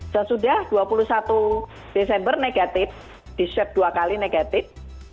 sesudah dua puluh satu desember negatif di swab dua kali negatif